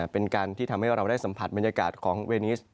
เป็นการที่ทำให้เราได้สัมผัสบรรยากาศของเวนิส